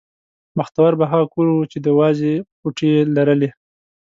بختور به هغه کور و چې د وازې پوټې یې لرلې.